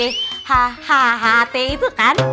h h h t itu kan